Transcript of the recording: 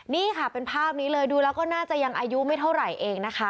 นี่ค่ะเป็นภาพนี้เลยดูแล้วก็น่าจะยังอายุไม่เท่าไหร่เองนะคะ